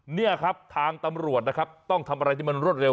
นี่ครับทางตำรวจนะครับต้องทำอะไรที่มันรวดเร็